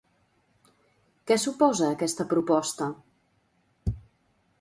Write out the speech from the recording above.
Què suposa aquesta proposta?